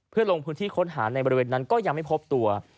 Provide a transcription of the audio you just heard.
เพื่อลงพื้นที่ค้นหาในบริเวณนั้นก็ยังไม่พบตัว